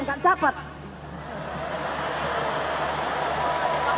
saya tidak dapat